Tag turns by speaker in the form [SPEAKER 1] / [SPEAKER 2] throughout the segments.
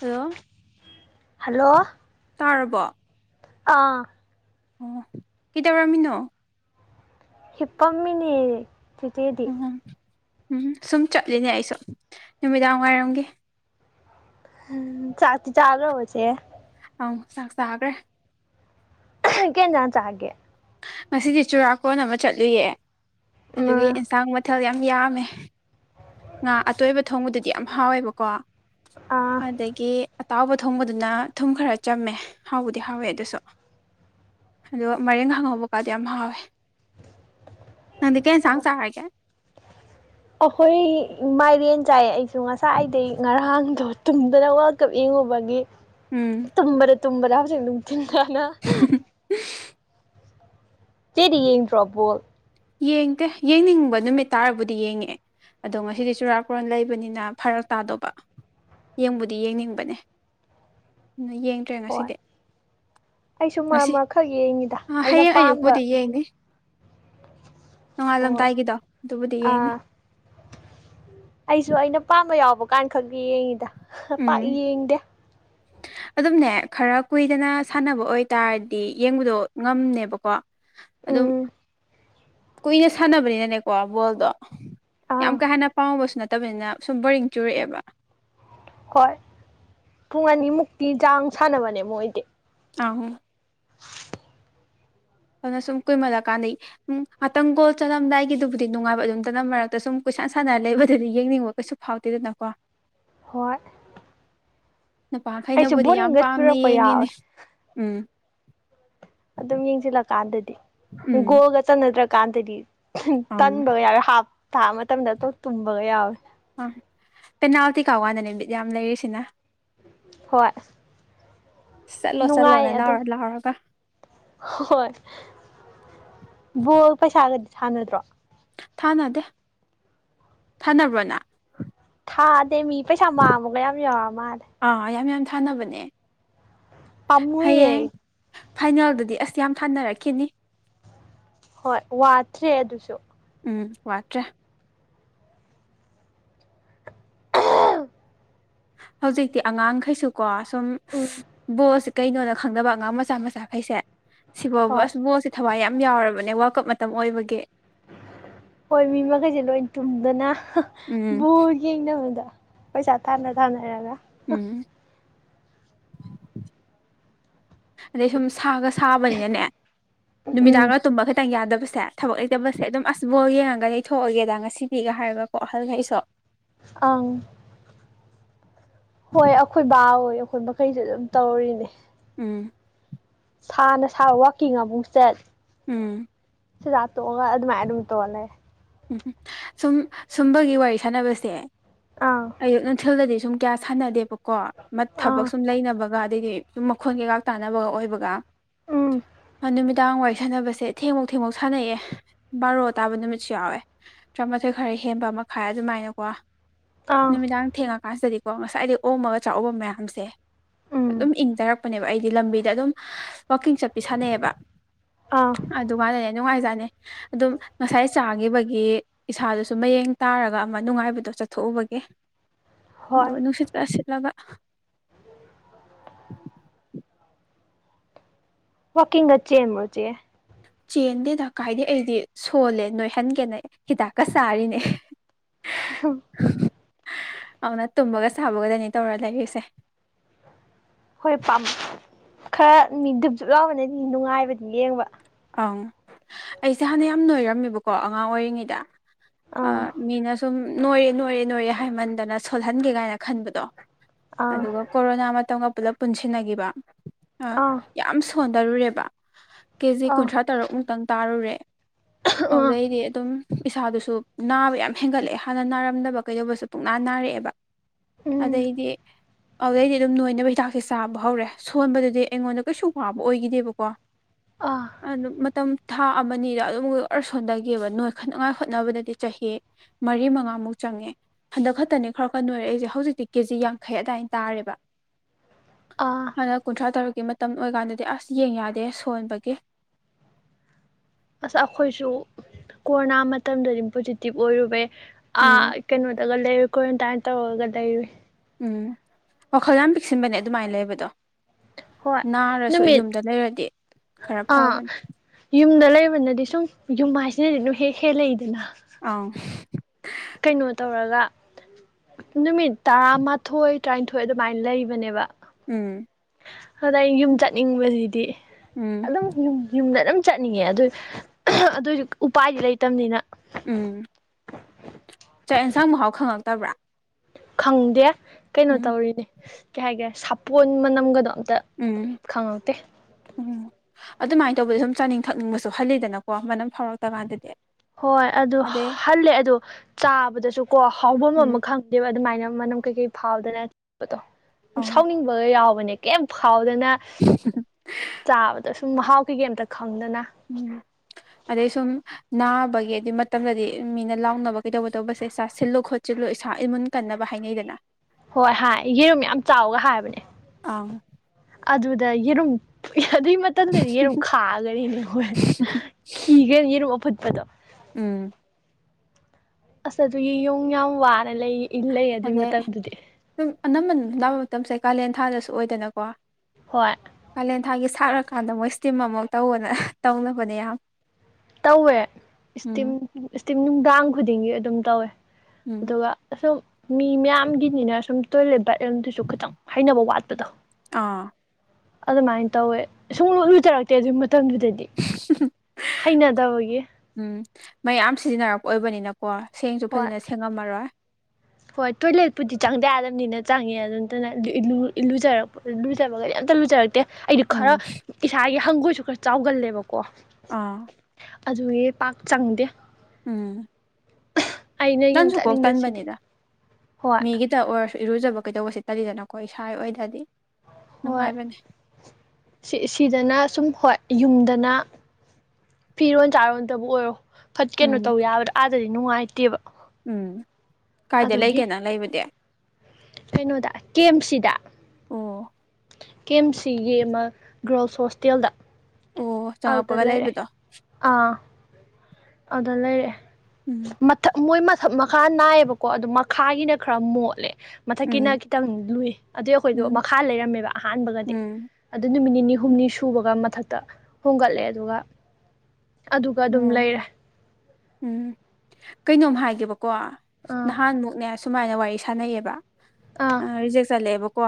[SPEAKER 1] Hello
[SPEAKER 2] hello
[SPEAKER 1] ꯕꯥ
[SPEAKER 2] ꯑꯥ
[SPEAKER 1] ꯑꯣ ꯀꯩꯗꯧꯔꯝꯃꯤꯅꯣ
[SPEAKER 2] ꯍꯤꯞꯄꯝꯃꯤꯅꯤ ꯇ꯭ꯇꯗꯤ
[SPEAKER 1] ꯎꯝ ꯎꯝ ꯁꯨꯝ ꯆꯠꯂꯤꯅꯦ ꯑꯩꯁꯨ ꯅꯨꯃꯤꯗꯥꯡ ꯋꯥꯏꯔꯝꯒꯤ
[SPEAKER 2] ꯆ ꯆꯥꯒꯣꯁꯦ
[SPEAKER 1] ꯑꯪ ꯆꯥꯛ ꯆꯥꯈ꯭ꯔꯦ
[SPEAKER 2] ꯀꯦꯟꯖꯥꯟ ꯆ ꯍꯥꯏꯦ
[SPEAKER 1] ꯉꯁꯤꯗꯤ ꯆꯨꯔꯥꯀꯣꯟ ꯑꯃ ꯆꯠꯂꯨꯌꯦ ꯑꯗꯨꯒꯤ
[SPEAKER 2] ꯎꯝ
[SPEAKER 1] ꯑꯦꯟꯁꯥꯡ ꯃꯊꯜ ꯌꯥꯝ ꯌꯥꯝꯃꯦ ꯉꯥ ꯑꯇꯣꯏꯕ ꯊꯣꯡꯕꯗꯗꯤ ꯌꯥꯝ ꯍꯥꯎꯋꯦꯕꯀꯣ
[SPEAKER 2] ꯑꯥ
[SPEAKER 1] ꯑꯗꯨꯗꯒꯤ ꯇꯥꯎꯕ ꯊꯣꯡꯕꯗꯨꯅ ꯊꯨꯝ ꯈꯔ ꯆꯝꯃꯦ ꯍꯥꯎꯕꯨꯗꯤ ꯍꯥꯎꯋꯦ ꯑꯗꯨꯁꯨ ꯑꯗꯣ ꯃꯔꯤꯦꯡ ꯈꯥꯡꯍꯕ ꯀꯄꯥꯗꯤ ꯌꯥꯝ ꯍꯥꯎꯋꯦ ꯅꯪꯗꯤ ꯀꯩ ꯌꯦꯟꯁꯥꯡ ꯆꯥꯈꯒꯦ
[SPEAKER 2] ꯑꯩꯈꯣꯏ ꯃꯥꯏꯔꯦꯟ ꯆꯥꯏ ꯑꯩꯁꯨ ꯉꯁꯥꯏꯗꯩ ꯉꯔꯥꯡꯗꯣ ꯇꯨꯝꯕꯅ ꯋꯥꯔꯜ ꯀꯞ ꯌꯦꯡꯉꯨꯕꯒꯤ
[SPEAKER 1] ꯎꯝ
[SPEAKER 2] ꯇꯨꯝꯕꯗ ꯇꯨꯝꯕꯗ ꯍꯧꯖꯤꯛ ꯑꯗꯨꯝ ꯆꯇꯅ ꯁꯤꯔꯤ ꯌꯦꯟ꯭ꯔꯕꯣꯜ
[SPEAKER 1] ꯌꯦꯡꯗꯦ ꯌꯦꯡꯅꯤꯡꯕ ꯅꯨꯃꯤꯠ ꯇꯥꯔꯕꯨꯗꯤ ꯌꯦꯡꯉꯛꯦ ꯑꯗꯣ ꯉꯁꯤꯗꯤ ꯆꯨꯔꯥꯀꯣꯔꯣꯟ ꯂꯩꯕꯅꯤꯅ ꯐꯔꯛ ꯇꯥꯗꯧꯕ ꯌꯦꯡꯕꯨꯗꯤ ꯌꯦꯡꯅꯤꯡꯕꯅꯦ
[SPEAKER 2] [unintelligible]
[SPEAKER 1] ꯌꯦꯡꯗ꯭ꯔꯦ
[SPEAKER 2] ꯍꯣꯏ
[SPEAKER 1] ꯉꯁꯤꯗꯤ
[SPEAKER 2] ꯑꯩꯁꯨ ꯃꯔꯛ
[SPEAKER 1] ꯉꯁꯤ
[SPEAKER 2] ꯃꯔ ꯈꯛ ꯌꯦꯡꯉꯤꯗ
[SPEAKER 1] ꯑ,
[SPEAKER 2] ꯑꯩꯅ
[SPEAKER 1] ꯍꯌꯦꯡ ꯑꯌꯨꯛꯄꯨꯗꯤ
[SPEAKER 2] ꯄꯥꯝꯕꯒꯨꯝꯕ
[SPEAKER 1] ꯌꯦꯡꯅꯤ
[SPEAKER 2] ꯍꯣꯏ
[SPEAKER 1] ꯅꯣꯡꯉꯥꯜꯂꯝꯗꯥꯏꯒꯤꯗꯣ ꯑꯗꯨꯕꯨꯗꯤ ꯌꯦꯡꯅꯤ
[SPEAKER 2] ꯑꯥ ꯑꯩꯁꯨ ꯑꯩꯅ ꯄꯥꯝꯕ ꯌꯥꯎꯕ ꯀꯥꯟ ꯈꯛ ꯌꯦꯡꯉꯤꯗ ꯄꯥꯛ
[SPEAKER 1] ꯎꯝ
[SPEAKER 2] ꯌꯦꯡꯗꯦ
[SPEAKER 1] ꯑꯗꯨꯝꯅꯦ ꯈꯔ ꯀꯨꯏꯗꯅ ꯁꯥꯟꯅꯕ ꯑꯣꯏꯇꯥꯔꯗꯤ ꯌꯦꯡꯕꯗꯣ ꯉꯝꯃꯦꯕꯀꯣ ꯑꯗꯨꯝ
[SPEAKER 2] ꯎꯝ
[SPEAKER 1] ꯀꯨꯏꯅ ꯁꯥꯟꯅꯕꯅꯤꯅꯅꯦꯀꯣ ꯕꯣꯜꯗꯣ
[SPEAKER 2] ꯑꯥ
[SPEAKER 1] ꯌꯥꯝ ꯀꯥ ꯍꯦꯟꯅ ꯄꯥꯎꯝꯕꯁꯨ ꯅꯠꯇꯕꯅꯤꯅ ꯁꯨꯝ ꯕꯣꯔꯤꯡ ꯆꯨꯔꯛꯑꯦꯕ
[SPEAKER 2] ꯍꯣꯏ ꯄꯨꯡ ꯑꯅꯤꯃꯨꯛꯇꯤ ꯆꯥꯡ ꯁꯥꯟꯅꯕꯅꯦ ꯃꯣꯏꯗꯤ
[SPEAKER 1] ꯑꯣ ꯑꯗꯨꯅ ꯁꯨꯝ ꯀꯨꯏꯃꯜꯂ ꯀꯥꯟꯅꯩ ꯉꯥꯛꯇꯪꯒꯣꯜ ꯆꯅꯝꯗꯥꯏꯒꯤꯗꯨꯕꯨꯗꯤ ꯅꯨꯡꯉꯥꯏꯕ ꯑꯗꯨꯝ ꯆꯠꯅꯝ ꯃꯔꯛꯇ ꯁꯨꯝ ꯏꯁꯥ ꯁꯥꯟꯅ ꯂꯩꯕꯗꯗꯤ ꯌꯦꯡꯅꯤꯡꯕ ꯀꯩꯁꯨ ꯐꯥꯎꯗꯦꯗꯅꯀꯣ
[SPEAKER 2] ꯍꯣꯏꯠ
[SPEAKER 1] ꯅꯨꯄꯥꯈꯩꯅꯕꯨꯗꯤ ꯌꯥꯝ ꯄꯥꯝꯅ
[SPEAKER 2] ꯆꯨꯔꯛꯄ ꯌꯥꯎꯋꯦ
[SPEAKER 1] ꯌꯦꯡꯉꯤꯅꯦ ꯎꯝ
[SPEAKER 2] ꯑꯗꯨꯝ ꯌꯦꯡꯁꯤꯜꯂꯀꯥꯟꯗꯗꯤ
[SPEAKER 1] ꯎꯝ
[SPEAKER 2] ꯒꯣꯒ ꯆꯅꯗ꯭ꯔꯀꯥꯟꯗꯗꯤ
[SPEAKER 1] ꯑꯪ
[SPEAKER 2] ꯇꯟꯕꯒ ꯌꯥꯎꯋꯦ ꯍꯥꯞ ꯊꯥ ꯃꯇꯝꯗ ꯇꯨꯝꯕꯒ ꯌꯥꯎꯋꯦ
[SPEAKER 1] ꯑꯅꯅꯥꯕꯇ ꯀꯥꯎꯋꯥꯗꯅ ꯌꯥꯝ ꯂꯁꯤꯅ
[SPEAKER 2] ꯍꯣꯏ
[SPEAKER 1] ꯆꯠꯂꯣ
[SPEAKER 2] ꯅꯨꯡꯉꯥꯏ
[SPEAKER 1] ꯆꯠꯂꯣꯅꯦ
[SPEAKER 2] ꯑꯗꯨꯝ
[SPEAKER 1] ꯂꯥꯎꯔ ꯂꯥꯎꯔꯒ
[SPEAKER 2] ꯍꯣꯏ ꯕꯣꯜ ꯄꯩꯁꯥꯒꯗꯤ ꯁꯥꯟꯅꯗ꯭ꯔꯣ
[SPEAKER 1] ꯊꯥꯅꯗꯦ ꯊꯥꯅꯕ꯭ꯔꯣꯅ
[SPEAKER 2] ꯊꯥꯗꯦ ꯃꯤ ꯄꯩꯁꯥ ꯃꯥꯡꯃꯒ ꯌꯥꯝ ꯌꯧꯔ ꯃꯥꯜꯂꯦ
[SPEAKER 1] ꯁꯥꯟꯅꯕꯅꯦ
[SPEAKER 2] ꯄꯝꯃꯨꯏ
[SPEAKER 1] ꯐꯥꯏꯅꯦꯜꯗꯗꯤ ꯑꯁ ꯌꯥꯝ ꯊꯥꯅꯔꯛꯈꯤꯅꯤ
[SPEAKER 2] ꯍꯣꯏ ꯋꯥꯠꯇ꯭ꯔꯦ ꯑꯗꯨꯁꯨ
[SPEAKER 1] ꯎꯝ ꯋꯥꯠꯇ꯭ꯔꯦ꯫ ꯍꯧꯖꯤꯛꯇꯤ ꯑꯉꯥꯡꯈꯩꯁꯨ ꯀꯣ ꯁꯨꯝ
[SPEAKER 2] ꯎꯝ
[SPEAKER 1] ꯕꯣꯁ꯫ ꯀꯩꯅꯣꯅ ꯈꯪꯗꯕ ꯑꯉꯥꯡ ꯃꯆꯥ ꯃꯆꯥꯈꯩꯁꯦ ꯁꯤꯐꯥꯎꯕ
[SPEAKER 2] ꯍꯣꯏ
[SPEAKER 1] ꯑꯁ ꯃꯣꯟꯁꯦ ꯊꯋꯥꯏ ꯌꯥꯎ꯫ ꯌꯥꯝ ꯌꯥꯎꯔꯕꯅꯦ ꯋꯥꯀꯞ ꯃꯇꯝ ꯑꯣꯏꯕꯒꯤ꯫
[SPEAKER 2] ꯍꯣꯏ ꯃꯤ ꯃꯈꯩꯁꯦ ꯂꯣꯏ ꯇꯨꯝꯗꯅ
[SPEAKER 1] ꯎꯝ
[SPEAKER 2] ꯕꯣꯜ ꯌꯦꯡꯅꯕꯗ꯫ ꯄꯩꯁꯥ ꯊꯥꯅ ꯊꯥꯅꯔꯒ꯫
[SPEAKER 1] ꯎꯝ꯫ ꯑꯗꯩ ꯁꯨꯝ ꯁꯥꯒ ꯁꯥꯕꯅꯤꯅꯅꯦ
[SPEAKER 2] ꯎꯝ
[SPEAKER 1] ꯅꯨꯃꯤꯗꯥꯡꯒ ꯇꯨꯝꯕ ꯈꯤꯇꯪ ꯌꯥꯗꯕ꯫ ꯁꯦ ꯊꯕꯛ ꯂꯩꯇꯕꯁꯦ ꯑꯗꯨꯝ ꯑꯁ ꯕꯣꯜ ꯌꯦꯡꯉꯒ ꯂꯩꯊꯣꯛꯑꯒꯦꯗ ꯉꯁꯤꯗꯤꯒ ꯍꯥꯏꯔꯒꯀꯣ ꯑꯍꯜꯒꯩꯁꯨ꯫
[SPEAKER 2] ꯑꯪ꯫ ꯍꯣꯏ ꯑꯩꯈꯣꯏ ꯕꯥ [unintelligible] ꯃꯈꯩꯁꯨ ꯑꯗꯨꯝ ꯇꯧꯔꯤꯅꯦ꯫
[SPEAKER 1] ꯎꯝ꯫
[SPEAKER 2] ꯁꯥꯅ ꯁꯥꯕ ꯋꯥꯛꯀꯤꯡ ꯑꯃꯨꯛ ꯆꯠ꯫
[SPEAKER 1] ꯎꯝ꯫
[SPEAKER 2] ꯆꯖꯛ ꯇꯣꯛꯑꯒ ꯑꯗꯨꯃꯥꯏ ꯑꯗꯨꯝ ꯇꯧꯂꯩ꯫
[SPEAKER 1] ꯎꯝ ꯎꯝ ꯁꯨꯝ ꯁꯨꯝꯕꯒꯤ ꯋꯥꯔꯤ ꯁꯥꯟꯅꯕꯁꯦ
[SPEAKER 2] ꯑꯥ
[SPEAKER 1] ꯑꯌꯨꯛ ꯅꯨꯡꯊꯤꯜꯗꯗꯤ꯫ ꯁꯨꯝ ꯀꯌꯥ ꯁꯥꯟꯅꯗꯦꯕꯀꯣ
[SPEAKER 2] ꯑꯥ
[SPEAKER 1] ꯊꯕꯛ ꯁꯨꯝ ꯂꯩꯅꯕꯒ ꯑꯗꯒꯤ꯫ ꯁꯨꯝ ꯃꯈꯣꯟ ꯀꯩꯀꯥ ꯇꯥꯅꯕꯒ ꯑꯣꯏꯕꯒ
[SPEAKER 2] ꯎꯝ
[SPEAKER 1] ꯅꯨꯃꯤꯠ꯫ ꯗꯥꯡ ꯋꯥꯏ ꯁꯥꯟꯅꯕꯁꯦ ꯊꯦꯡꯃꯣꯛ ꯊꯦꯡꯃꯣꯛ ꯁꯥꯟꯅꯩꯑꯦ ꯕꯥꯔꯣ ꯇꯥꯕ ꯅꯨꯃꯤꯠ꯫ ꯁꯨꯌꯥꯎꯋꯦ ꯇꯔꯥꯃꯥꯊꯣꯏ ꯈꯔ ꯍꯦꯟꯕ ꯃꯈꯥꯏ ꯑꯗꯨꯃꯥꯏꯅꯀꯣ꯫
[SPEAKER 2] ꯑꯥ
[SPEAKER 1] ꯅꯨꯃꯤꯗꯥꯡ ꯊꯦꯡꯉꯀꯥꯟꯁꯤꯗꯗꯤꯀꯣ ꯉꯁꯥꯏꯗꯤ ꯑꯣꯝꯃꯒ ꯆꯥꯛ ꯎꯕ ꯃꯌꯥꯝꯁꯦ꯫
[SPEAKER 2] ꯎꯝ
[SPEAKER 1] ꯑꯗꯨꯝ ꯏꯪꯊꯔꯛꯄꯅꯦꯕ ꯑꯩꯗꯤ ꯂꯝꯕꯤꯗ ꯑꯗꯨꯝ ꯋꯥꯛꯀꯤꯡ ꯆꯠꯄꯤ ꯁꯥꯟꯅꯩꯑꯦꯕ꯫
[SPEAKER 2] ꯑꯥ
[SPEAKER 1] ꯑꯗꯨ ꯀꯥꯟꯅꯅꯦ ꯅꯨꯡꯉꯥꯏꯖꯠꯅꯤ ꯑꯗꯨꯝ ꯉꯁꯥꯏ꯫ ꯆꯥꯈꯤꯕꯒꯤ ꯏꯁꯥꯗꯨꯁꯨ ꯃꯌꯦꯡ ꯇꯥꯔꯒ ꯑꯃ ꯅꯨꯡꯉꯥꯏꯕꯗꯣ ꯆꯠꯊꯣꯛꯎꯕꯒꯤ꯫ ꯑꯗꯣ
[SPEAKER 2] ꯍꯣꯏ
[SPEAKER 1] ꯅꯨꯡꯁꯤꯠꯀ ꯁꯤꯠꯂꯕ꯫
[SPEAKER 2] ꯋꯥꯀꯤꯡꯒ ꯆꯦꯟꯕꯣꯔ ꯆꯦ꯫
[SPEAKER 1] ꯆꯦꯟꯗꯦꯗ ꯀꯥꯏꯗꯩ ꯑꯩꯗꯤ ꯁꯣꯜꯂꯦ ꯅꯣꯏꯍꯟꯒꯦꯅ ꯍꯤꯗꯥꯛꯀ ꯆꯥꯔꯤꯅꯦ꯫
[SPEAKER 2] [unintelligible]
[SPEAKER 1] ꯑꯗꯨꯅ ꯇꯨꯝꯕꯒ ꯁꯥꯕꯒꯗꯅꯤ ꯇꯧꯔ ꯂꯩꯔꯤꯁꯦ꯫
[SPEAKER 2] ꯍꯣꯏ ꯄꯥꯝ ꯈꯔ ꯃꯤ ꯗꯨꯗꯨꯞ ꯂꯥꯎꯔꯗꯤ ꯅꯨꯡꯉꯥꯏꯕꯗꯤ ꯌꯦꯡꯕ꯫
[SPEAKER 1] ꯑꯪ ꯑꯩꯁꯦ ꯍꯥꯟꯅ ꯌꯥꯝ ꯅꯣꯏꯔꯝꯃꯦꯕꯀꯣ ꯑꯉꯥꯡ ꯑꯣꯏꯔꯤꯉꯩꯗ꯫
[SPEAKER 2] ꯑꯥ
[SPEAKER 1] ꯑ ꯃꯤꯅ ꯁꯨꯝ ꯅꯣꯏꯔꯦ ꯅꯣꯏꯔꯦ ꯅꯣꯏꯔꯦ ꯍꯥꯏꯃꯟꯗꯅ ꯁꯣꯜꯍꯟꯒꯦ ꯀꯥꯏꯅ ꯈꯟꯕꯗꯣ꯫
[SPEAKER 2] ꯑꯥ
[SPEAKER 1] ꯑꯗꯨꯒ ꯀꯣꯔꯣꯅꯥ ꯃꯇꯝꯒ ꯄꯨꯂꯞ ꯄꯨꯟꯁꯤꯟꯅꯈꯤꯕ
[SPEAKER 2] ꯑꯥ
[SPEAKER 1] ꯌꯥꯝ꯫ ꯁꯣꯟꯊꯔꯨꯔꯦꯕ ꯀꯦꯖꯤ
[SPEAKER 2] ꯑꯥ
[SPEAKER 1] ꯀꯨꯟꯊ꯭ꯔꯥ ꯇꯔꯨꯛ ꯃꯨꯛꯇꯪ ꯇꯥꯔꯨꯔꯦ꯫
[SPEAKER 2] ꯑꯥ
[SPEAKER 1] ꯑꯧꯗꯩꯗꯤ ꯑꯗꯨꯝ꯫ ꯏꯁꯩꯥꯗꯨꯁꯨ ꯅꯥꯕ ꯌꯥꯝ ꯍꯦꯟꯒꯠꯂꯛꯑꯦ ꯍꯥꯟꯅ ꯅꯥꯔꯝꯗꯕ ꯀꯩꯗꯧꯕꯁꯨ ꯄꯨꯛꯅꯥ ꯅꯥꯔꯛꯑꯦꯕ꯫
[SPEAKER 2] ꯎꯝ
[SPEAKER 1] ꯑꯗꯩꯗꯤ꯫ ꯑꯗꯨꯗꯩꯗꯤ ꯑꯗꯨꯝ ꯅꯣꯏꯅꯕ ꯍꯤꯗꯥꯛꯁꯦ ꯆꯥꯕ ꯍꯧꯔꯦ ꯁꯣꯟꯕꯗꯨꯗꯤ ꯑꯩꯉꯣꯟꯗ ꯀꯩꯁꯨ ꯋꯥꯕ ꯑꯣꯏꯈꯤꯗꯦꯕꯀꯣ꯫
[SPEAKER 2] ꯑꯥ꯫
[SPEAKER 1] ꯑꯗꯨꯝ ꯃꯇꯝ ꯊꯥ ꯑꯃꯅꯤꯗ ꯑꯗꯨꯝ ꯁꯣꯟꯊꯒꯦꯕ ꯅꯣꯏꯈꯠꯅꯉꯥꯏ ꯍꯣꯠꯅꯕꯗꯗꯤ ꯆꯍꯤ꯫ ꯃꯔꯤ ꯃꯉꯥꯃꯨꯛ ꯆꯪꯉꯦ ꯍꯟꯗꯛ ꯈꯛꯇꯅꯤ ꯈꯔ ꯈ ꯅꯣꯏꯔꯛꯏꯁꯦ ꯍꯧꯖꯤꯛꯇꯤ ꯀꯦꯖꯤ ꯌꯥꯡꯈꯩ ꯑꯗꯥꯏ ꯇꯥꯔꯦꯕ꯫
[SPEAKER 2] [unintelligible] ꯑꯥ
[SPEAKER 1] ꯍꯟꯗꯛ ꯀꯨꯟꯊ꯭ꯔꯥ ꯇꯔꯨꯛꯀꯤ ꯃꯇꯝ ꯑꯣꯏꯀꯥꯟꯗꯗꯤ ꯑꯁ ꯌꯦꯡ ꯌꯥꯗꯦ ꯁꯣꯟꯕꯒꯤ꯫
[SPEAKER 2] ꯑꯁ ꯑꯩꯈꯣꯏꯁꯨ ꯀꯣꯔꯣꯅꯥ ꯃꯇꯝꯗꯗꯤ ꯄꯣꯖꯤꯇꯤꯚ ꯑꯣꯏꯔꯨꯕꯩ꯫ ꯑꯥ
[SPEAKER 1] ꯎꯝ
[SPEAKER 2] ꯀꯩꯅꯣꯗꯒ ꯂꯩꯔ ꯀ꯭ꯋꯥꯔꯦꯟꯇꯥꯏꯟ ꯇꯧꯔꯒ ꯂꯩꯔꯨꯢ꯫
[SPEAKER 1] ꯎꯝ ꯋꯥꯈꯜ ꯌꯥꯝ ꯄꯤꯛꯁꯤꯟꯕꯅꯦ ꯑꯗꯨꯃꯥꯏꯅ ꯂꯩꯕꯗꯣ꯫
[SPEAKER 2] ꯍꯣꯏ
[SPEAKER 1] ꯅꯥꯔꯁꯨ
[SPEAKER 2] ꯅꯨꯃꯤꯠ
[SPEAKER 1] ꯌꯨꯝꯗ ꯂꯩꯔꯗꯤ ꯈꯔ ꯐꯕꯅꯤ꯫
[SPEAKER 2] ꯑꯕꯅꯗꯤ ꯁꯨꯝ ꯌꯨꯝ ꯃꯥꯏꯁꯤꯅꯗꯤ ꯑꯗꯨꯝ ꯍꯦꯛ ꯍꯦꯛ ꯍꯦꯜꯂꯛꯏꯗꯅ꯫
[SPEAKER 1] ꯑꯥ꯫
[SPEAKER 2] ꯀꯩꯅꯣ ꯇꯧꯔꯒ꯫ ꯅꯨꯃꯤꯠ ꯇꯔꯥꯃꯥꯊꯣꯏ ꯇꯔꯥꯅꯤꯊꯣꯏ ꯑꯗꯨꯃꯥꯏꯅ ꯂꯩꯕꯅꯦꯕ
[SPEAKER 1] ꯎꯝ
[SPEAKER 2] ꯑꯗ ꯑꯩꯅ ꯌꯨꯝ ꯆꯠꯅꯤꯡꯕꯁꯤꯗꯤ
[SPEAKER 1] ꯎꯝ
[SPEAKER 2] ꯑꯗꯨꯝ ꯌꯨꯝꯗ ꯑꯗꯨꯝ ꯆꯠꯅꯤꯡꯉꯦ ꯑꯗꯨ ꯑꯗꯨꯏꯁꯨ ꯎꯄꯥꯏꯗꯤ ꯂꯩꯇꯕꯅꯤꯅ
[SPEAKER 1] ꯎꯝ ꯆꯥꯛ ꯌꯦꯟꯁꯥꯡ ꯃꯍꯥꯎ ꯈꯪꯉꯛꯇꯕ꯭ꯔꯥ
[SPEAKER 2] ꯈꯪꯗꯦ ꯀꯩꯅꯣ
[SPEAKER 1] ꯎꯝ
[SPEAKER 2] ꯇꯧꯔꯤꯅꯤ ꯀꯩ ꯍꯥꯏꯒꯦ ꯁꯥꯄꯣꯟ ꯃꯅꯝꯒꯗꯣ ꯇ
[SPEAKER 1] ꯎꯝ
[SPEAKER 2] ꯈꯪꯉꯛꯇꯦ
[SPEAKER 1] ꯎꯝ ꯑꯗꯨꯃꯥꯏꯅ ꯇꯧꯕꯗ ꯁꯨꯝ ꯆꯥꯅꯤꯡ ꯊꯛꯅꯤꯡꯕꯁꯨ ꯍꯜꯂꯤꯗꯅꯀꯣ ꯃꯅꯝ ꯐꯥꯎꯔꯛꯇꯀꯥꯟꯗꯗꯤ
[SPEAKER 2] ꯍꯣꯏ ꯑꯗꯨ
[SPEAKER 1] ꯑꯗꯩ
[SPEAKER 2] ꯍꯜꯂꯦ ꯑꯗꯣ ꯆꯥꯕꯗꯁꯨ ꯀꯣ ꯍꯥꯎꯐꯝ
[SPEAKER 1] ꯎꯝ
[SPEAKER 2] ꯑꯃ ꯈꯪꯗꯦꯕ ꯑꯗꯨꯃꯥꯏꯅ ꯃꯅꯝ ꯀꯩꯀꯩ ꯐꯥꯎꯗꯅꯗꯣ ꯁꯨꯝ
[SPEAKER 1] ꯑꯪ
[SPEAKER 2] ꯁꯥꯎꯅꯤꯡꯕꯒ ꯌꯥꯎꯕꯅꯦ ꯀꯩꯝ ꯐꯥꯎ ꯑꯗꯨꯅ ꯆꯥꯕꯗ ꯁꯨꯝ ꯃꯍꯥꯎꯀꯩꯒꯦ ꯑꯝꯇ ꯈꯪ
[SPEAKER 1] ꯎꯝ ꯑꯗꯩꯩ ꯁꯨꯝ ꯅꯥꯕꯒꯤ ꯑꯗꯨꯏ ꯃꯇꯝꯗꯗꯤ ꯃꯤꯅ ꯂꯥꯎꯅꯕ ꯀꯩꯗꯧꯕ ꯇꯧꯕꯁꯦ ꯆꯥꯁꯤꯜꯂꯨ ꯈꯣꯠꯁꯤꯜꯂꯨ ꯏꯁꯥ ꯏꯃꯨꯟ ꯀꯟꯅꯕ ꯍꯥꯏꯅꯩꯗꯅ
[SPEAKER 2] ꯍꯣꯏ ꯍꯥꯏ ꯌꯦꯔꯨꯝ ꯌꯥꯝ ꯆꯥꯎꯒ ꯍꯥꯏꯕꯅꯦ
[SPEAKER 1] ꯑꯪ
[SPEAKER 2] ꯑꯗꯨꯗ ꯌꯦꯔꯨꯝ ꯑꯗꯨꯏ ꯃꯇꯝꯗꯨꯗꯤ ꯌꯦꯔꯨꯝ ꯈꯥꯒꯔꯤꯅꯦ ꯍꯣꯏ ꯀꯤꯒꯅꯤ ꯌꯦꯔꯨꯝ ꯑꯐꯨꯠꯄꯗꯣ
[SPEAKER 1] ꯎꯝ
[SPEAKER 2] ꯑꯁ ꯑꯗꯨꯒꯤ ꯌꯣꯡ ꯌꯥꯝ ꯋꯥꯅ ꯂꯩ ꯏꯜ ꯂꯩ ꯑꯗꯨꯒꯤ
[SPEAKER 1] ꯑꯗꯩ
[SPEAKER 2] ꯃꯇꯝꯗꯨꯗꯤ
[SPEAKER 1] ꯁꯨꯝ ꯑꯅꯝꯕꯅ ꯅꯥꯕ ꯃꯇꯝꯁꯦ ꯀꯥꯂꯦꯟ ꯊꯥꯗꯁꯨ ꯑꯣꯏꯗꯅꯀꯣ
[SPEAKER 2] ꯍꯣꯏ
[SPEAKER 1] ꯀꯥꯂꯦꯟ ꯊꯥꯒꯤ ꯁꯥꯔꯀꯥꯟꯗ ꯃꯣꯏ ꯏꯁꯇꯤꯝ ꯑꯃꯛ ꯇꯧꯑꯣꯅ ꯇꯧꯅꯕꯅꯦ ꯌꯥꯝ
[SPEAKER 2] ꯇꯧꯋꯦ
[SPEAKER 1] ꯎꯝ
[SPEAKER 2] ꯏꯁꯇꯤꯝ ꯏꯁꯇꯤꯝ ꯅꯨꯡꯗꯥꯡ ꯈꯨꯗꯤꯡꯒꯤ ꯑꯗꯨꯝ ꯇꯧꯋꯦ
[SPEAKER 1] ꯎꯝ
[SPEAKER 2] ꯑꯗꯨꯒ ꯑꯁꯨꯝ ꯃꯤ ꯃꯌꯥꯝꯒꯤꯅꯤꯅ ꯁꯨꯝ ꯇꯣꯏꯂꯦꯠ ꯕꯥꯠꯔꯨꯝꯈꯤꯇꯪ ꯍꯥꯏꯅꯕ ꯋꯥꯠꯄꯗꯣ
[SPEAKER 1] ꯑꯥ
[SPEAKER 2] ꯑꯗꯨꯃꯥꯏꯅ ꯇꯧꯋꯦ ꯁꯨꯡꯂꯨ ꯂꯨꯖꯔꯛꯇꯦ ꯑꯗꯨꯒꯤ ꯃꯇꯝꯗꯨꯗꯗꯤ ꯍꯩꯅꯗꯕꯒꯤ
[SPEAKER 1] ꯎꯝ ꯃꯌꯥꯝ ꯁꯤꯖꯤꯟꯅꯔꯛꯄ ꯑꯣꯏꯕꯅꯤꯅ ꯀꯣ ꯁꯦꯡꯁꯨ
[SPEAKER 2] ꯍꯣꯏ
[SPEAKER 1] ꯐꯖꯅ ꯁꯦꯡꯉꯝꯃꯔꯣꯏ
[SPEAKER 2] ꯍꯣꯏ ꯇꯣꯏꯂꯦꯠꯄꯨꯗꯤ ꯆꯪꯗ ꯌꯥꯗꯕꯅꯤꯅ ꯆꯪꯉꯦ ꯑꯗꯨꯅꯠꯇꯅ ꯂꯨꯖꯔꯛꯄ ꯂꯨꯖꯔꯒꯗꯤ ꯌꯥꯝ ꯑꯝꯇ ꯂꯨꯖꯔꯛꯇꯦ ꯑꯩꯗꯤ ꯈꯔ
[SPEAKER 1] ꯎꯝ
[SPEAKER 2] ꯏꯁꯥꯒꯤ ꯍꯪꯒꯣꯏꯁꯨ ꯈꯔ ꯆꯥꯎꯒꯜꯂꯦꯕꯀꯣ ꯀꯣ
[SPEAKER 1] ꯑꯥ
[SPEAKER 2] ꯑꯗꯨꯒꯤ ꯄꯥꯛ ꯆꯪꯗꯦ
[SPEAKER 1] ꯎꯝ
[SPEAKER 2] ꯑꯩꯅ ꯌꯨꯝ
[SPEAKER 1] ꯇꯟꯁꯨ ꯀꯣꯛ
[SPEAKER 2] ꯆꯠꯅꯤꯡꯕꯁꯤꯗꯤ
[SPEAKER 1] ꯇꯟꯕꯅꯤꯗ
[SPEAKER 2] ꯍꯣꯏ
[SPEAKER 1] ꯃꯤꯒꯤꯗ ꯑꯣꯏꯔꯁꯨ ꯏꯔꯨꯖꯕ ꯀꯩꯗꯧꯕꯁꯦ ꯇꯜꯂꯤꯗꯅꯀꯣ ꯏꯁꯥꯒꯤ ꯑꯣꯏꯗꯔꯗꯤ
[SPEAKER 2] ꯍꯣꯏ ꯁꯤ ꯁꯤꯗꯅ ꯁꯨꯝ ꯍꯣꯏ ꯌꯨꯝꯗꯅ ꯐꯤꯔꯣꯟ ꯆꯥꯔꯣꯟꯗꯕꯨ ꯑꯣꯏꯔꯣ ꯐꯠ ꯀꯩꯅꯣ
[SPEAKER 1] ꯎꯝ
[SPEAKER 2] ꯇꯧ ꯌꯥꯕꯗꯣ ꯑꯥ ꯑꯗꯨꯗꯗꯤ ꯅꯨꯡꯉꯥꯏꯇꯦꯕ
[SPEAKER 1] ꯎꯝ ꯀꯥꯏꯗ
[SPEAKER 2] ꯑꯗꯨꯒꯤ
[SPEAKER 1] ꯂꯩꯒꯦꯅ ꯂꯩꯕꯗꯤ
[SPEAKER 2] ꯀꯩꯅꯣꯗ ꯀꯦꯝꯁꯤꯗ ꯀꯦꯝ ꯁꯤ ꯒꯤ ꯑꯃ ꯒ꯭ꯔꯜꯁ ꯍꯣꯁꯇꯦꯜꯗ
[SPEAKER 1] ꯑꯣ
[SPEAKER 2] ꯑꯗꯨꯗ
[SPEAKER 1] ꯆꯪꯉꯛꯄꯒ
[SPEAKER 2] ꯂꯩꯔꯦ
[SPEAKER 1] ꯂꯩꯕꯗꯣ
[SPEAKER 2] ꯑꯥ ꯑꯗꯨꯗ ꯂꯩꯔꯑꯦ
[SPEAKER 1] ꯎꯝ
[SPEAKER 2] ꯃꯊꯛ ꯃꯣꯏ ꯃꯊꯛ ꯃꯈꯥ ꯅꯥꯏꯌꯦꯕꯀꯣ ꯑꯗꯨ ꯃꯈꯥꯒꯤꯅ ꯈꯔ ꯃꯣꯠꯂꯦ ꯃꯊꯛꯀꯤꯅ
[SPEAKER 1] ꯎꯝ
[SPEAKER 2] ꯈꯤꯇꯪ ꯂꯨꯏ ꯑꯗꯨꯏ ꯑꯩꯈꯣꯏꯗꯣ
[SPEAKER 1] ꯎꯝ
[SPEAKER 2] ꯃꯈꯥ ꯂꯩꯔꯝꯃꯦꯕ ꯑꯍꯥꯟꯕꯒꯗꯤ
[SPEAKER 1] ꯎꯝ
[SPEAKER 2] ꯑꯗꯨ ꯅꯨꯃꯤꯠ ꯅꯤꯅꯤ ꯍꯨꯝꯅꯤ ꯁꯨꯕꯒ ꯃꯊꯛꯇ ꯍꯣꯡꯒꯠꯂꯦ ꯑꯗꯨꯒ ꯑꯗꯨꯒ ꯑꯗꯨꯝ
[SPEAKER 1] ꯎꯝ
[SPEAKER 2] ꯂꯩꯔꯦ
[SPEAKER 1] ꯎꯝ ꯀꯩꯅꯣꯝ ꯍꯥꯏꯒꯦꯕꯀꯣ
[SPEAKER 2] ꯑꯥ
[SPEAKER 1] ꯅꯍꯥꯟꯃꯨꯛꯅꯦ ꯁꯨꯃꯥꯏꯅ ꯋꯥꯔꯤ ꯁꯥꯟꯅꯩꯑꯦꯕ
[SPEAKER 2] ꯑꯥ
[SPEAKER 1] ꯔꯤꯖꯦꯛ ꯆꯠꯂꯛꯑꯦꯕꯀꯣ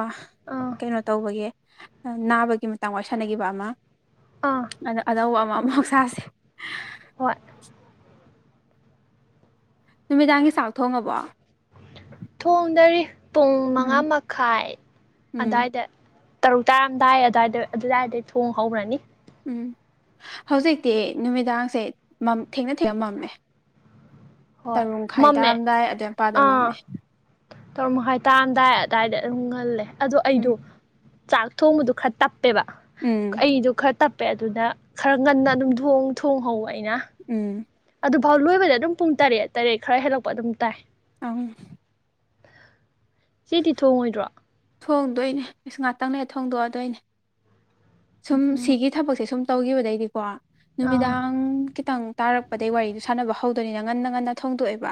[SPEAKER 2] ꯑꯥ
[SPEAKER 1] ꯀꯩꯅꯣ ꯇꯧꯕꯒꯤ ꯅꯥꯕꯒꯤ ꯃꯇꯥꯡ ꯋꯥꯔꯤ ꯁꯥꯟꯅꯈꯤꯕ ꯑꯃ
[SPEAKER 2] ꯑꯥ
[SPEAKER 1] ꯑ ꯑꯅꯧꯕ ꯑꯃ ꯃꯨꯛꯁꯥꯁꯦ
[SPEAKER 2] ꯍꯣꯏ
[SPEAKER 1] ꯅꯨꯃꯤꯗꯥꯡꯒꯤ ꯆꯥꯛ ꯊꯣꯡꯉꯕꯣ
[SPEAKER 2] ꯊꯣꯡꯗꯔꯤ ꯄꯨꯡ ꯃꯉꯥ
[SPEAKER 1] ꯎꯝ
[SPEAKER 2] ꯃꯈꯥꯏ
[SPEAKER 1] ꯎꯝ
[SPEAKER 2] ꯑꯏꯗ ꯇꯔꯨꯛ ꯇꯔꯑꯝꯗꯥꯏ ꯑꯗꯨꯋꯥꯏꯗ ꯑꯗꯨꯗꯥꯋꯥꯏꯗꯩ ꯊꯣꯡ ꯍꯧꯔꯅꯤ
[SPEAKER 1] ꯎꯝ ꯍꯧꯖꯤꯛꯇꯤ ꯅꯨꯃꯤꯗꯥꯡꯁꯦ ꯊꯦꯡꯅ ꯊꯦꯡꯅ ꯃꯝꯃꯦ
[SPEAKER 2] ꯍꯣꯏ
[SPEAKER 1] ꯇꯔꯨꯡꯈꯥꯏ
[SPEAKER 2] ꯃꯝꯃꯦ
[SPEAKER 1] ꯇꯥꯔꯝꯗꯥꯏ ꯑꯏꯄꯥꯥꯗꯃꯝꯃꯤ
[SPEAKER 2] ꯇꯧꯔꯝꯃꯣ ꯍꯥꯏꯇꯥꯔꯝꯗꯥꯏ ꯑꯗꯨꯗꯥꯏꯗ ꯑꯗꯨꯝ ꯉꯜꯂꯦ ꯑꯗꯣ
[SPEAKER 1] ꯎꯝ
[SPEAKER 2] ꯑꯩꯗꯣ ꯆꯥꯛ ꯊꯣꯡꯕꯗꯣ ꯈꯔꯞ ꯇꯞꯄꯦꯕ
[SPEAKER 1] ꯎꯝ
[SPEAKER 2] ꯑꯩꯗꯣ ꯈꯔ ꯇꯞꯄꯦ ꯑꯗꯨꯅ ꯈꯔ ꯉꯟꯅ ꯑꯗꯨꯝ ꯊꯣꯡꯍꯧꯕ ꯑꯩꯅ
[SPEAKER 1] ꯎꯝ
[SPEAKER 2] ꯑꯗꯨꯐꯥꯎ ꯂꯣꯏꯕꯗ ꯑꯗꯨꯝ ꯄꯨꯡ ꯇꯔꯦꯠ ꯇꯔꯦꯠ ꯈꯔ ꯍꯦꯜꯂꯛꯄ ꯑꯗꯨꯝ ꯇꯥꯏ
[SPEAKER 1] ꯑ
[SPEAKER 2] ꯆꯦꯗꯤꯊꯣꯡꯉꯣꯏꯗ꯭ꯔꯣ
[SPEAKER 1] ꯊꯣꯡꯗꯣꯏꯅꯦ ꯑꯁ ꯉꯥꯛꯇꯪꯅꯦ ꯊꯣꯡꯗꯣꯛꯑꯗꯣꯏꯅꯦ ꯁꯨꯝ ꯁꯤꯒꯤ ꯊꯕꯛꯁꯦ ꯁꯨꯝ ꯇꯧꯈꯤꯕꯗꯩꯗꯤꯀꯣ
[SPEAKER 2] ꯑꯥ
[SPEAKER 1] ꯅꯨꯃꯤꯗꯥꯡ ꯈꯤꯇꯪ ꯇꯥꯔꯛꯄꯗꯒꯤꯩ ꯋꯥꯔꯤꯗꯨ ꯁꯥꯟꯅꯕ ꯍꯧꯗꯣꯏꯅꯤꯅ ꯉꯟꯅ ꯉꯟꯅ ꯊꯣꯡꯗꯣꯛꯑꯦꯕ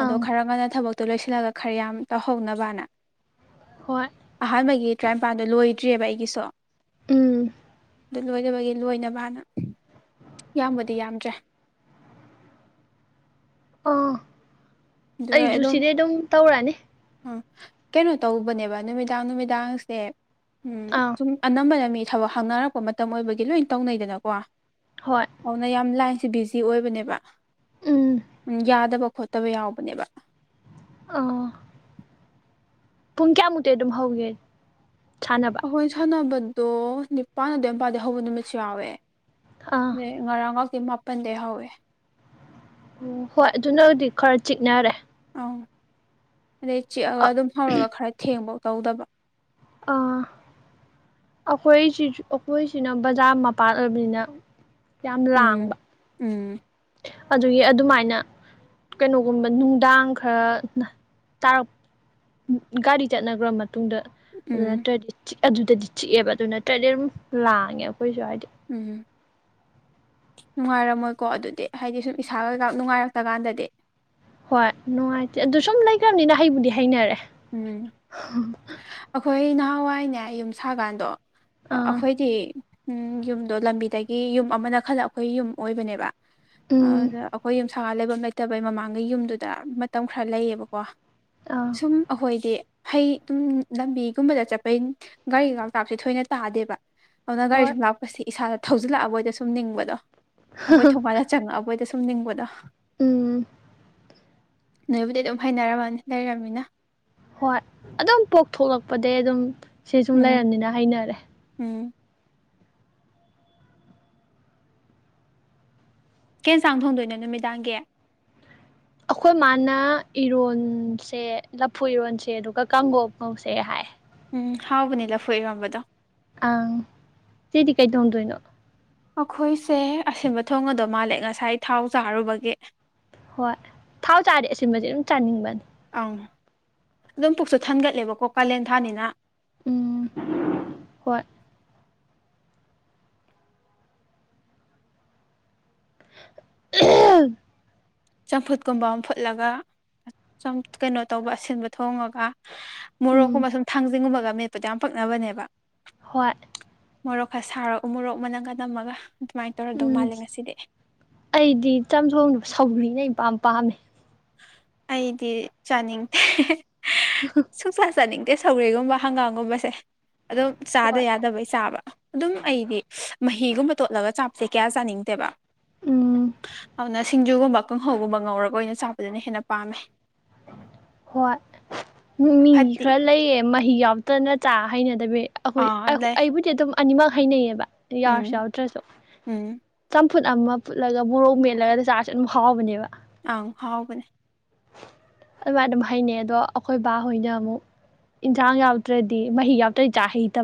[SPEAKER 1] ꯑꯗꯣ
[SPEAKER 2] ꯑꯪ
[SPEAKER 1] ꯈꯔ ꯉꯟꯅ ꯊꯕꯛ ꯇꯨ ꯂꯣꯏꯁꯤꯜꯂꯒ ꯈꯔ ꯌꯥꯝ ꯇꯧꯍꯧꯅꯕꯅ
[SPEAKER 2] ꯍꯣꯏ
[SPEAKER 1] ꯑꯍꯥꯟꯕꯒꯤ ꯇꯔꯥꯅꯤꯄꯥꯟꯗ ꯂꯣꯏꯗ꯭ꯔꯤꯦꯕ ꯑꯩꯒꯤꯁꯨ
[SPEAKER 2] ꯎꯝ
[SPEAKER 1] ꯑꯗꯨ ꯂꯣꯏꯅꯕꯒꯤ ꯂꯣꯏꯅꯕꯅ ꯌꯥꯝꯕꯗꯤ ꯌꯥꯝꯗ꯭ꯔꯦ
[SPEAKER 2] [unintelligible] ꯑꯩꯁꯨꯨ ꯁꯤꯗꯩ ꯑꯗꯨꯝ ꯇꯧꯔꯛ ꯑꯥꯅꯤ
[SPEAKER 1] ꯎꯝ ꯀꯩꯅꯣ ꯇꯧꯕꯅꯦꯕ ꯅꯨꯃꯤꯗꯥꯡ ꯅꯨꯃꯤꯗꯥꯡꯁꯦ ꯎꯝ
[SPEAKER 2] ꯑꯥ
[SPEAKER 1] ꯁꯨꯝ ꯑꯅꯝꯕꯅ ꯃꯤ ꯊꯕꯛ ꯍꯥꯡꯅꯔꯛꯄ ꯃꯇꯝ ꯑꯣꯏꯕꯒꯤ ꯂꯣꯏꯅ ꯇꯧꯅꯩꯗꯅꯀꯣ
[SPEAKER 2] ꯍꯣꯏ
[SPEAKER 1] ꯑꯗꯨꯅ ꯌꯥꯝ ꯂꯥꯏ ꯁꯤ ꯕꯤꯖꯤ ꯑꯣꯏꯕꯅꯦꯕ
[SPEAKER 2] ꯎꯝ
[SPEAKER 1] ꯌꯥꯗꯕ ꯈꯣꯠꯇꯕ ꯌꯥꯎꯕꯅꯦꯕ
[SPEAKER 2] ꯑꯣ ꯄꯨꯡ ꯀꯌꯥꯃꯨꯛꯇꯤ ꯑꯗꯨꯝ ꯍꯧꯒꯦ ꯁꯥꯟꯅꯕ
[SPEAKER 1] ꯑꯩꯈꯣꯏ ꯁꯥꯟꯅꯕꯗꯣ ꯅꯤꯄꯥꯜ ꯑꯗꯨ ꯃꯄꯥꯗꯒꯤꯩ ꯍꯧꯕ ꯅꯨꯃꯤꯠꯁꯨ ꯌꯥꯎꯋꯦ
[SPEAKER 2] ꯑꯥ ꯑꯣ
[SPEAKER 1] ꯑꯗꯩ ꯉꯔꯥꯡ ꯉꯥꯛꯇꯤ ꯃꯥꯄꯜꯗꯩ ꯍꯧꯋꯦ
[SPEAKER 2] ꯑꯣ ꯍꯣꯏ ꯑꯗꯨꯅ ꯗꯤ ꯈꯔ ꯆꯤꯛꯅꯔꯦ
[SPEAKER 1] ꯑꯪ ꯑꯗꯩ ꯆꯤꯛꯑꯒ
[SPEAKER 2] ꯑ
[SPEAKER 1] ꯑꯗꯨꯝ ꯍꯧꯔꯒ ꯈꯔ ꯊꯦꯡꯕ ꯇꯧꯗꯕ
[SPEAKER 2] ꯑꯥ ꯑꯩꯈꯣꯏꯁꯨ ꯑꯩꯈꯣꯏꯁꯤꯅ ꯕꯖꯥꯔ ꯃꯄꯥꯥꯟ ꯑꯣꯏꯕꯅꯤꯅ ꯌꯥꯝ
[SPEAKER 1] ꯎꯝ
[SPEAKER 2] ꯂꯥꯡꯕ
[SPEAKER 1] ꯎꯝ
[SPEAKER 2] ꯑꯗꯨꯒꯤ ꯑꯗꯨꯃꯥꯏꯅ ꯀꯩꯅꯣꯒꯨꯝꯕ ꯅꯨꯡꯗꯥꯡ ꯈꯔ ꯇꯥꯔꯛ ꯒꯥꯔꯤ ꯆꯠꯅꯒ꯭ꯔꯝꯃ ꯃꯇꯨꯡꯗ ꯑꯗꯨ
[SPEAKER 1] ꯎꯝ
[SPEAKER 2] ꯅꯠꯇ꯭ꯔꯗꯤ ꯑꯗꯨꯗꯗꯤ ꯆꯤꯛꯑꯦꯕ ꯑꯗꯨ ꯅꯠꯇ꯭ꯔꯗꯤ ꯑꯗꯨꯝ ꯂꯥꯡꯉꯦ ꯑꯩꯈꯣꯏꯁꯨ ꯍꯥꯏꯗꯤ
[SPEAKER 1] ꯎꯝ ꯅꯨꯡꯉꯥꯏꯔꯝꯃꯣꯏꯀꯣ ꯑꯗꯨꯗꯤ ꯍꯥꯏꯗꯤ ꯁꯨꯝ ꯏꯁꯥ ꯀꯩꯀꯥ ꯅꯨꯡꯉꯥꯏꯔꯛꯇ ꯀꯥꯟꯗꯗꯤ
[SPEAKER 2] ꯍꯣꯏ ꯅꯨꯡꯉꯥꯏꯇꯦ ꯑꯗꯨ ꯁꯨꯝ ꯂꯩꯈ꯭ꯔꯕꯅꯤꯅ ꯍꯩꯕꯨꯗꯤ ꯍꯩꯅꯔꯦ
[SPEAKER 1] ꯎꯝ ꯑꯩꯈꯣꯏ ꯅꯍꯥꯟꯋꯥꯏꯅꯦ ꯌꯨꯝ ꯁꯥꯀꯥꯟꯗꯣ
[SPEAKER 2] ꯑꯥ
[SPEAKER 1] ꯑꯩꯈꯣꯏꯗꯤ ꯎꯝ ꯌꯨꯝꯗꯣ ꯂꯝꯕꯤꯗꯒꯤ ꯌꯨꯝ ꯑꯃꯅ ꯈꯜꯂ ꯑꯩꯈꯣꯏ ꯌꯨꯝ ꯑꯣꯏꯕꯅꯦꯕ
[SPEAKER 2] ꯎꯝ
[SPEAKER 1] ꯑꯗ ꯑꯩꯈꯣꯏ ꯌꯨꯝ ꯁꯥꯒ ꯂꯩꯐꯝ ꯂꯩꯇꯕꯩ ꯃꯃꯥꯡꯒꯤꯩ ꯌꯨꯝꯗꯨꯗ ꯃꯇꯝ ꯈꯔ ꯂꯩꯌꯦꯕꯀꯣ
[SPEAKER 2] ꯑꯥ
[SPEAKER 1] ꯍꯥꯏꯗꯤ ꯍꯩ ꯑꯗꯨꯝ ꯂꯝꯕꯤꯒꯨꯝꯕꯗ ꯆꯠꯄꯩ ꯒꯥꯔꯤ ꯀꯥꯎꯇꯥꯛꯁꯦ ꯊꯣꯏꯅ ꯇꯥꯗꯦꯕ ꯑꯗꯨꯅ ꯒꯥꯔꯤ
[SPEAKER 2] ꯍꯣꯏ
[SPEAKER 1] ꯁꯨꯝ ꯂꯥꯛꯄꯁꯤ ꯏꯁꯥꯗ ꯊꯧꯖꯤꯜꯂꯛꯑꯕꯣꯏꯗ ꯁꯨꯝ ꯅꯤꯡꯕꯗꯣ ꯑꯩꯈꯣꯏ ꯊꯧꯕꯥꯜꯗ ꯆꯪꯉꯛꯑꯕꯣꯏꯗ ꯁꯨꯝ ꯅꯤꯡꯕꯗꯣ
[SPEAKER 2] ꯎꯝ
[SPEAKER 1] ꯅꯣꯏꯕꯨꯗꯤ ꯑꯗꯨꯝ ꯍꯩꯅꯔꯝꯃꯅꯤ ꯂꯩꯔꯝꯅꯤꯅ
[SPEAKER 2] ꯍꯣꯏ ꯑꯗꯨꯝ ꯄꯣꯛꯊꯂꯛꯄꯗꯩ ꯑꯗꯨꯝ ꯁꯤ ꯁꯨꯝ
[SPEAKER 1] ꯎꯝ
[SPEAKER 2] ꯂꯩꯔꯝꯅꯤꯅ ꯍꯩꯅꯔꯦ
[SPEAKER 1] ꯎꯝ ꯀꯩ ꯆꯥꯡ ꯊꯣꯡꯗꯣꯏꯅꯣ ꯅꯨꯃꯤꯗꯥꯡꯒꯤ
[SPEAKER 2] ꯑꯩꯈꯣꯏ ꯃꯥꯅ ꯏꯔꯣꯟꯁꯦ ꯂꯐꯨ ꯏꯔꯣꯟꯁꯦ ꯑꯗꯨꯒ ꯀꯥꯡꯍꯧ ꯉꯧꯁꯦ ꯍꯥꯏ
[SPEAKER 1] ꯎꯝ ꯍꯥꯎꯕꯅꯦ ꯂꯐꯨ ꯏꯔꯝꯕꯗꯣ
[SPEAKER 2] ꯑꯪ ꯆꯦꯗꯤ ꯀꯩ ꯊ‌ꯣꯡꯗꯣꯏꯅꯣ
[SPEAKER 1] ꯑꯩꯈꯣꯏꯁꯦ ꯑꯁꯤꯟꯕ ꯊꯣꯡ ꯑꯗꯣ ꯃꯥꯜꯂꯦ ꯉꯁꯥꯏ ꯊꯥꯎ ꯆꯥꯔꯨꯕꯒꯤ
[SPEAKER 2] ꯍꯣꯏ ꯊꯥꯎ ꯆꯥꯔꯥꯗꯤ ꯑꯁꯤꯟꯕꯁꯦ ꯑꯗꯨꯝ ꯆꯥꯅꯤꯡꯕꯅꯤ
[SPEAKER 1] ꯑꯪ ꯑꯗꯨꯝ ꯄꯨꯛꯁꯨ ꯊꯟꯒꯠꯂꯦꯕꯀꯣ ꯀꯥꯂꯦꯟ ꯊꯥꯅꯤꯅ
[SPEAKER 2] ꯎꯝ ꯍꯣꯏ [unintelligible]
[SPEAKER 1] ꯆꯝꯐꯨꯠꯀꯨꯝꯕ ꯑꯃ ꯐꯨꯠꯂꯒ ꯀꯩꯅꯣ ꯇꯧꯕ ꯑꯁꯤꯟꯕ ꯊꯣꯡꯉꯒ
[SPEAKER 2] ꯎꯝ
[SPEAKER 1] ꯃꯣꯔꯣꯛꯀꯨꯝꯕ ꯁꯨꯝ ꯊꯥꯡꯖꯤꯡꯒꯨꯝꯕꯒ ꯃꯦꯠꯄꯥꯗꯣ ꯌꯥꯝ ꯄꯛꯅꯕꯅꯦꯕ
[SPEAKER 2] ꯍ‌ꯣꯏ
[SPEAKER 1] ꯃꯣꯔꯣꯛ ꯈꯔ ꯁꯥꯔꯛ ꯎꯃꯣꯔꯣꯛ ꯃ ꯅꯪꯒ ꯅꯝꯃꯒ ꯑꯗꯨꯃꯥꯏꯅ ꯇꯧꯔꯗꯧ
[SPEAKER 2] ꯎꯝ
[SPEAKER 1] ꯃꯥꯜꯂꯦ ꯉꯁꯤꯗꯤ
[SPEAKER 2] ꯑꯩꯗꯤ ꯆꯝꯊꯣꯡꯗ ꯁꯧꯒ꯭ꯔꯤꯅ ꯏꯄꯥꯝ ꯄꯥꯝꯃꯦ
[SPEAKER 1] ꯑꯩꯗꯤ ꯆꯥꯅꯤꯡꯗꯦ
[SPEAKER 2] [unintelligible]
[SPEAKER 1] ꯆꯠꯅꯤꯡꯗꯦ ꯁꯧꯔꯦꯒꯨꯝꯕ ꯍꯪꯒꯥꯝꯒꯨꯝꯕꯁꯦ ꯑꯗꯨꯝ ꯆꯥꯗ
[SPEAKER 2] ꯍꯣꯏ
[SPEAKER 1] ꯌꯥꯗꯕꯩ ꯆꯥꯕ ꯑꯗꯨꯝ ꯑꯩꯗꯤ ꯃꯍꯤꯒꯨꯝꯕ ꯇꯣꯠꯂꯒ ꯆꯥꯞꯁꯦ ꯀꯌꯥ ꯆꯥꯅꯤꯡꯗꯦꯕ
[SPEAKER 2] ꯎꯝ
[SPEAKER 1] ꯑꯗꯨꯅ ꯁꯤꯡꯖꯨꯒꯨꯝꯕ ꯀꯥꯡꯍꯧꯒꯨꯝꯕ ꯉꯧꯔꯒ ꯑꯣꯏꯅ ꯆꯥꯞ ꯑꯗꯨꯅ ꯍꯦꯟꯅ ꯄꯥꯝꯃꯦ
[SPEAKER 2] ꯍꯣꯏ ꯃꯤ
[SPEAKER 1] ꯐꯠꯇꯤ
[SPEAKER 2] ꯈꯔ ꯂꯩꯌꯦ ꯃꯍꯤ ꯌꯥꯎꯗꯅ ꯆꯥ ꯍꯩꯅꯗ ꯑ ꯑꯩꯈꯣꯏ
[SPEAKER 1] ꯑꯥ ꯂꯩ
[SPEAKER 2] ꯑꯩꯕꯨꯗꯤ ꯑꯗꯨꯝ ꯑꯅꯤꯃꯛ ꯍꯩꯅꯩꯌꯦꯕ ꯌꯥꯔꯁꯨ
[SPEAKER 1] ꯎꯝ
[SPEAKER 2] ꯌꯥꯎꯗ꯭ꯔꯁꯨ
[SPEAKER 1] ꯎꯝ
[SPEAKER 2] ꯐꯨꯠ ꯑꯃ ꯐꯠꯂꯒ ꯃꯣꯔꯣꯛ ꯃꯦꯠꯂꯒꯗ ꯆꯥꯔꯁꯦ ꯑꯗꯨꯝ ꯍꯥꯎꯕꯅꯦꯕ
[SPEAKER 1] ꯑꯪ ꯍꯥꯎꯒꯅꯦ
[SPEAKER 2] ꯑꯗꯨꯃꯥꯏꯅ ꯑꯗꯨꯝ ꯍꯩꯅꯩ ꯑꯗꯣ ꯑꯩꯈꯣꯏ ꯕꯥꯍꯣꯏꯅ ꯑꯃꯨꯛ ꯏꯟꯁꯥꯡ ꯌꯥꯎꯗ꯭ꯔꯗꯤ ꯃꯍꯤ ꯌꯥꯎꯗ꯭ꯔꯗꯤ ꯆꯥꯛ ꯍꯩꯇꯕ